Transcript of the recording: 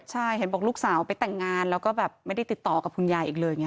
ใช่เห็นบอกลูกสาวไปแต่งงานแล้วก็แบบไม่ได้ติดต่อกับคุณยายอีกเลยไง